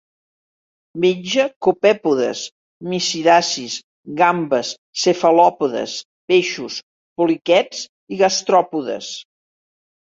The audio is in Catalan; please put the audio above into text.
Menja copèpodes, misidacis, gambes, cefalòpodes, peixos, poliquets i gastròpodes.